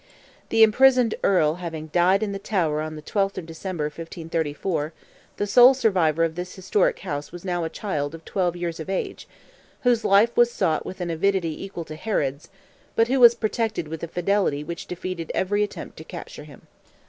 The imprisoned Earl having died in the Tower on the 12th of December, 1534, the sole survivor of this historic house was now a child of twelve years of age, whose life was sought with an avidity equal to Herod's, but who was protected with a fidelity which defeated every attempt to capture him.